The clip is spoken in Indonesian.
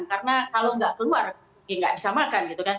karena kalau nggak keluar ya nggak bisa makan